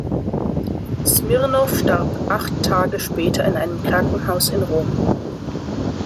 Smirnow starb acht Tage später in einem Krankenhaus in Rom.